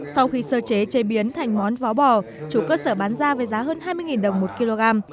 sau khi sơ chế chế biến thành món vó chủ cơ sở bán ra với giá hơn hai mươi đồng một kg